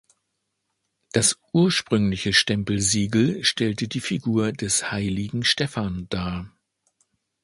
Das ursprüngliche Stempelsiegel stellte die Figur des Heiligen Stephan dar.